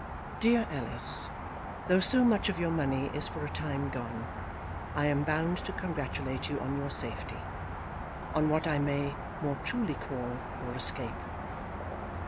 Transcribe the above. Dear Alice, though so much of your money is for a time gone, I am bound to congratulate you on your safety, on what I may more truly call your escape.